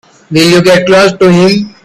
Will you get close to him?